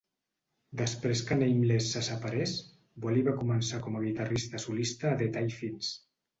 Després que Nameless se separés, Walli va començar com a guitarrista solista a The Typhoons.